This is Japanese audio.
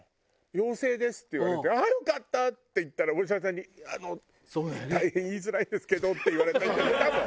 「陽性です」って言われて「よかった！」って言ったらお医者さんに「あの大変言いづらいですけど」って言われた人いたもん。